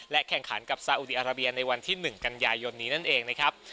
แข่งขันกับซาอุดีอาราเบียในวันที่๑กันยายนนี้นั่นเองนะครับ